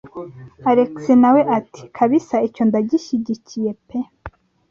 alexis nawe ati kabisa icyo ndagishigikiye pe